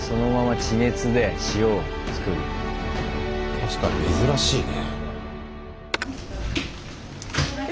確かに珍しいね。